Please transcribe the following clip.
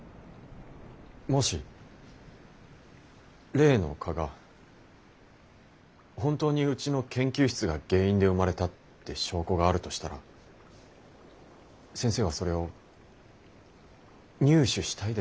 もし例の蚊が本当にうちの研究室が原因で生まれたって証拠があるとしたら先生はそれを入手したいですか？